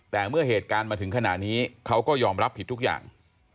แต่เมื่อเหตุการณ์มาถึงขณะนี้เขาก็ยอมรับผิดทุกอย่าง